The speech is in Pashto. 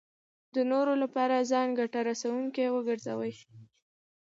د نورو لپاره ځان ګټه رسوونکی وګرځوي.